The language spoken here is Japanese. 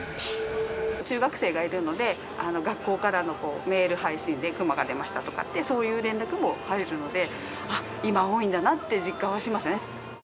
中学生がいるので、学校からのメール配信で、クマが出ましたとかって、そういう連絡も入るので、あっ、今多いんだなって実感はしましたね。